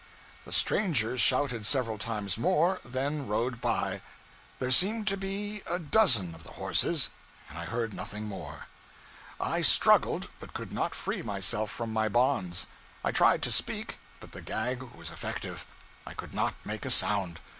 The strangers shouted several times more, then rode by there seemed to be a dozen of the horses and I heard nothing more. I struggled, but could not free myself from my bonds. I tried to speak, but the gag was effective; I could not make a sound.